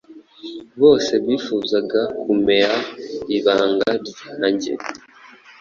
Bose bifuzaga kumea ibanga ryanjye.